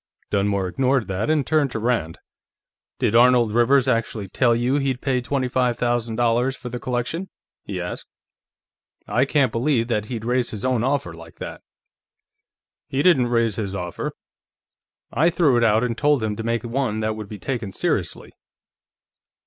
Dunmore ignored that and turned to Rand. "Did Arnold Rivers actually tell you he'd pay twenty five thousand dollars for the collection?" he asked. "I can't believe that he'd raise his own offer like that." "He didn't raise his offer; I threw it out and told him to make one that could be taken seriously."